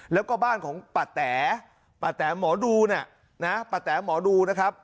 แล้วก็บ้านของปะแต๋ปะแต๋หมอดูเนี่ยนะฮะปะแต๋หมอดูนะครับ